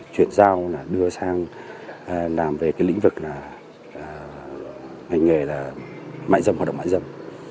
chuyển giao đưa sang làm về lĩnh vực mạnh dâm hoạt động mạnh dâm